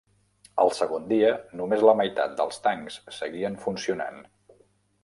El segon dia, només la meitat dels tancs seguien funcionant.